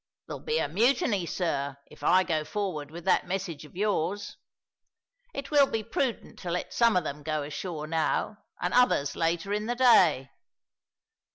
There'll be a mutiny, sir, if I go forward with that message of yours. It will be prudent to let some of them go ashore now and others later in the day.